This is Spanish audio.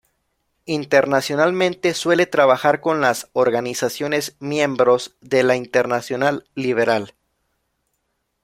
Internacionalmente suele trabajar con las organizaciones miembros de la Internacional Liberal.